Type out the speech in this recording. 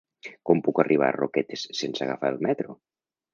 Com puc arribar a Roquetes sense agafar el metro?